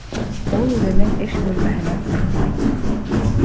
Ул үҙенең эш бүлмәһенән сыҡмай.